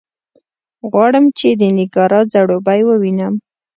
غواړم چې د نېګارا ځړوبی ووینم.